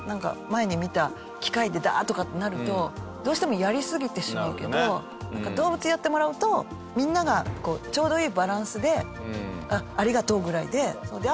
前に見た機械でダーッとかってなるとどうしてもやりすぎてしまうけど動物にやってもらうとみんながあと誰かがゴミ集めてるんだなみたいな。